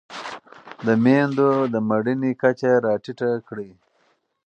د مېندو د مړینې کچه راټیټه کړئ.